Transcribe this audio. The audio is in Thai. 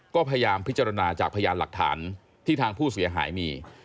ก็พยายามพิจารณาจากพยานหลักฐานที่ทางผู้เสียหายมี